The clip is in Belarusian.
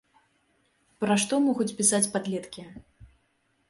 Пра што могуць пісаць падлеткі?